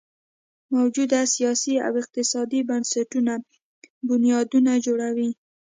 موجوده سیاسي او اقتصادي بنسټونه بنیادونه جوړوي.